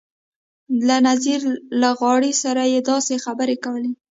له نذیر لغاري سره یې داسې خبرې کولې.